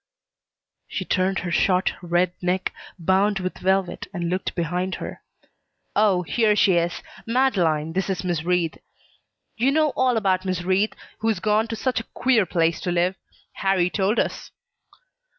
She turned her short, red neck, bound with velvet, and looked behind her. "Oh, here she is! Madeleine, this is Miss Wreath. You know all about Miss Wreath, who's gone to such a queer place to live. Harrie told us."